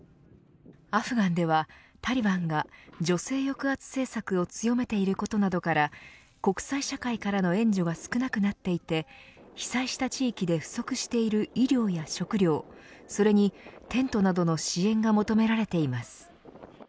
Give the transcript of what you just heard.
アフガンではタリバンが女性抑圧政策を強めていることなどから国際社会からの援助が少なくなっていて被災した地域で不足している医療や食料それにテントなどの支援が求められています。